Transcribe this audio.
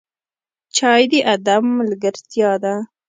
چای د ادب ملګرتیا ده